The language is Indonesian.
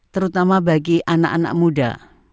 terutama bagi anak anak muda